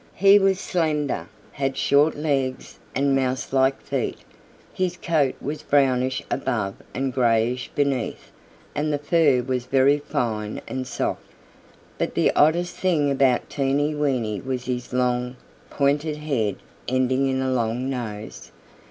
He was slender, had short legs and mouselike feet. His coat was brownish above and grayish beneath, and the fur was very fine and soft. But the oddest thing about Teeny Weeny was his long, pointed head ending in a long nose.